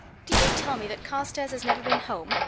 Do you tell me that Carstairs has never been home?"